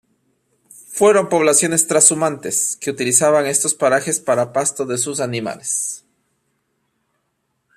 Fueron poblaciones trashumantes que utilizaban estos parajes para pasto de sus animales.